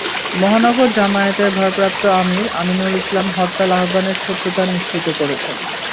মহানগর জামায়াতের ভারপ্রাপ্ত আমির আমিনুল ইসলাম হরতাল আহ্বানের সত্যতা নিশ্চিত করেছেন।